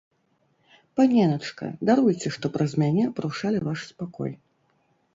Паненачка, даруйце, што праз мяне парушалі ваш спакой.